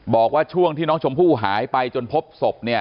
บอกว่าช่วงที่น้องชมพู่หายไปจนพบศพเนี่ย